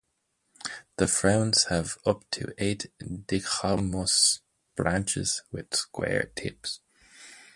The fronds have up to eight dichotomous branches with square tips.